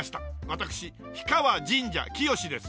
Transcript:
私氷川神社きよしです。